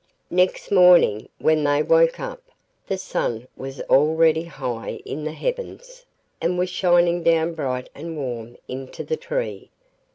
Next morning, when they woke up, the sun was already high in the heavens and was shining down bright and warm into the tree.